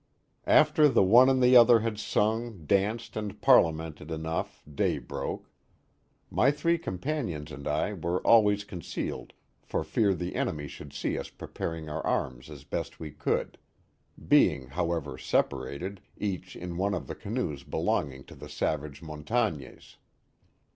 After the one and the other had sung, danced, and parlia mented enough, day broke. My three companions and I were always concealed for fear the enemy should see us preparing our arms as best we could, being, however, separated, each in one of the canoes belonging to the savage Montagnaes.